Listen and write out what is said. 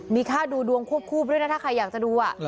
มีค่าดูดวงควบคู่ไปด้วยนะถ้าใครอยากจะดู